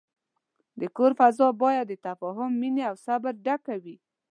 د کور فضا باید د تفاهم، مینې، او صبر ډکه وي.